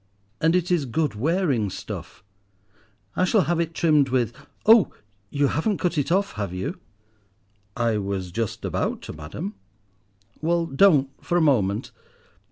"And it is good wearing stuff. I shall have it trimmed with— Oh! you haven't cut it off, have you?" "I was just about to, madam." "Well, don't for a moment.